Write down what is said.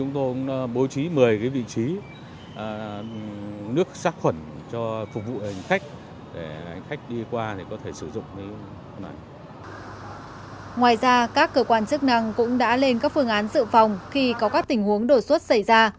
ngoài ra các cơ quan chức năng cũng đã lên các phương án dự phòng khi có các tình huống đột xuất xảy ra